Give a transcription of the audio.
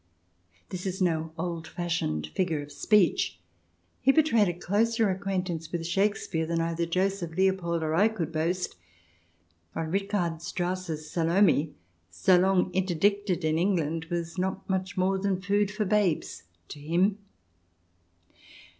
This is no old fashioned figure of speech ; he betrayed a closer acquaintance with Shakespeare than either Joseph Leopold or I could boast, while Oscar Strauss' " Salome," so long interdicted in England, was not much more than food for babes to him.